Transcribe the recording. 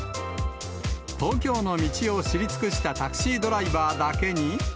東京の道を知り尽くしたタクシードライバーだけに。